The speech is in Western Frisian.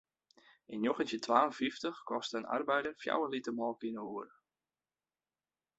Yn njoggentjin twa en fyftich koste in arbeider fjouwer liter molke yn 'e oere.